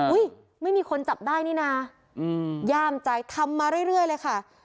ไม่มีคนจับได้นี่นะย่ามใจทำมาเรื่อยเลยค่ะ